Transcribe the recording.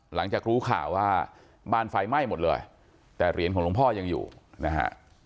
หลังจากรู้ข่าวว่าบ้านไฟไหม้หมดเลยแต่เหรียญของหลวงพ่อยังอยู่นะฮะ